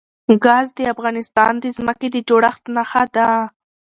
ګاز د افغانستان د ځمکې د جوړښت نښه ده.